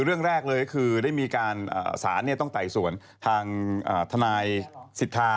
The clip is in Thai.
เรื่องแรกเลยคือได้มีการอ่าศาลเนี่ยต้องไต่ส่วนทางอ่าทนายศิษฐา